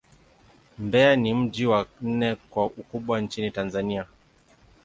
Mbeya ni mji wa nne kwa ukubwa nchini Tanzania.